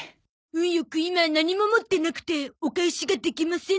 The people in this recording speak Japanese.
運よく今何も持ってなくてお返しができませぬ。